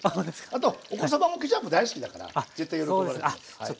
あとお子様もケチャップ大好きだから絶対喜ばれます。